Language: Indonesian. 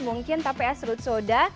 mungkin tapi es serut soda